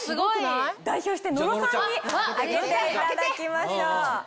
代表して野呂さんに開けていただきましょう。